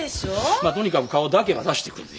まとにかく顔だけは出してくるで。